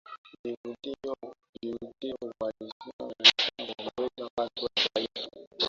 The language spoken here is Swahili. vivutio vya utalii vinasaidia kuongeza pato la taifa